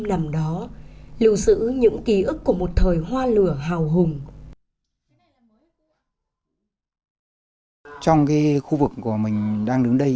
làm đó lưu sử những ký ức của một thời hoa lửa hào hùng trong cái khu vực của mình đang đứng đây